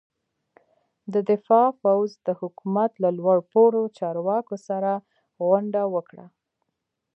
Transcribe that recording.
د دفاع پوځ د حکومت له لوړ پوړو چارواکو سره غونډه وکړه.